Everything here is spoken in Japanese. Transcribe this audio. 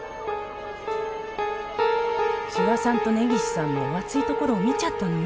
志賀さんと根岸さんのお熱いところを見ちゃったのよ。